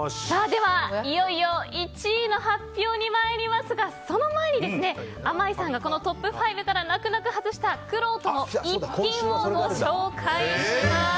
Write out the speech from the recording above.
では、いよいよ１位の発表に参りますがその前にあまいさんがトップ５から泣く泣く外したくろうとの逸品をご紹介します。